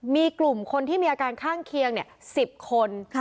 มีกลุ่มคนที่มีอาการข้างเคียง๑๐คน